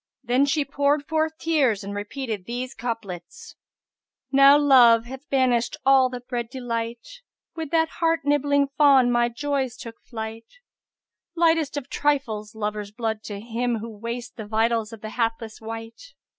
Then she poured forth tears and repeated these couplets, "Now Love hast banished all that bred delight; * With that heart nibbling fawn my joys took flight: Lightest of trifles lover's blood to him * Who wastes the vitals of the hapless wight!